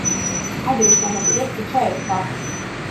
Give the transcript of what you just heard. ადრე სანაპირო ქუჩა ერქვა.